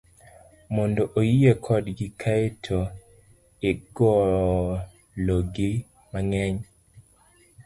mondo oyie kodgi, kae to igology mang'eny